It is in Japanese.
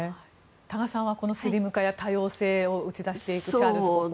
多賀さんはスリム化や多様性を打ち出していくチャールズ国王